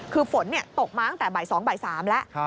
คือฝนตกมาตั้งแต่บ่าย๒บ่าย๓แล้ว